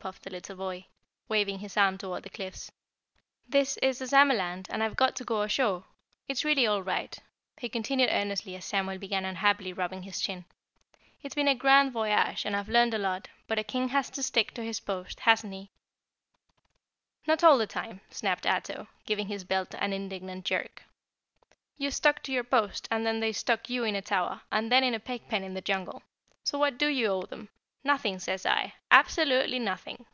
puffed the little boy, waving his arm toward the cliffs. "This is Ozamaland and I've got to go ashore. It's really all right," he continued earnestly as Samuel began unhappily rubbing his chin, "it's been a grand voyage and I've learned a lot, but a King has to stick to his post, hasn't he?" "Not all the time," snapped Ato, giving his belt an indignant jerk. "You stuck to your post and they stuck you in a tower and then in a pig pen in the jungle. So what do you owe them? Nothing, say I, absolutely nothing!"